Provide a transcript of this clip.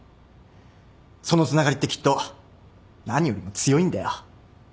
そのつながりってきっと何よりも強いんだよ。